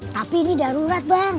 tapi ini darurat bang